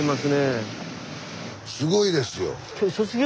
すごいですよ。